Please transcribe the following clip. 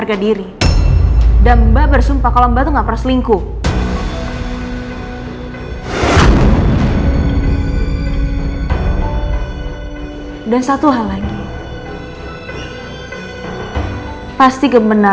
tidak ada butuhan